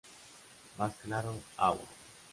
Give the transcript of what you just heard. Más claro, agua